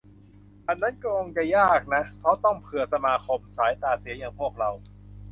อันนั้นคงจะยากนะ เพราะต้องเผื่อสมาคมสายตาเสียอย่างพวกเรา